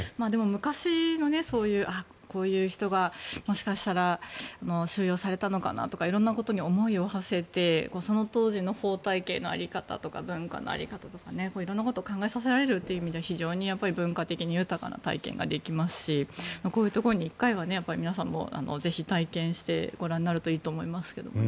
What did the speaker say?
、昔の、そういうこういう人がもしかしたら収容されたのかなとか色んなことに思いをはせてその当時の法体系の在り方とか文化の在り方とか色々なことを考えさせられるという意味では非常に文化的に豊かな体験ができますしこういうところに１回は皆さんもぜひ体験してご覧になるといいと思いますけどね。